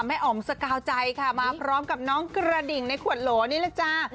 อ๋อมสกาวใจค่ะมาพร้อมกับน้องกระดิ่งในขวดโหลนี่แหละจ้า